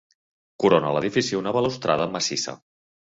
Corona l'edifici una balustrada massissa.